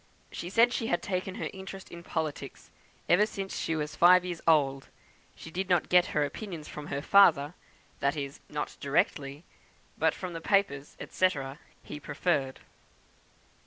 She said she had taken interest in politics ever since she was five years old. She did not get her opinions from her father that is, not directly but from the papers, &c., he preferred."